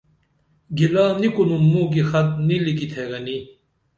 گلا نی کُنُم موں کی خط نی لکی تھےگنی